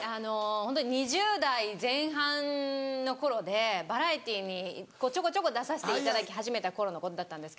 ホントに２０代前半の頃でバラエティーにこうちょこちょこ出さしていただき始めた頃のことだったんですけど。